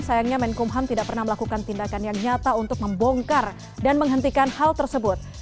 sayangnya menkumham tidak pernah melakukan tindakan yang nyata untuk membongkar dan menghentikan hal tersebut